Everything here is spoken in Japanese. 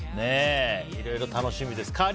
いろいろ楽しみです。